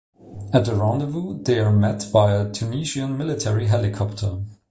At the rendezvous they are met by a Tunisian military helicopter.